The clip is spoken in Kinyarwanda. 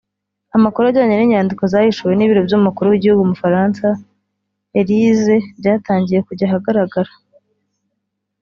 Amakuru ajyanye n’inyandiko zahishuwe n’ibiro by’umukuru w’igihugu mu Bufaransa (Elysée) byatangiye kujya ahagaragara